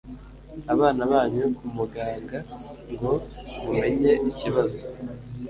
abana banyu ku muganga ngo mumenye ikibazo